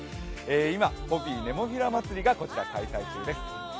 今ポピー・ネモフィラまつりがこちら開催中です。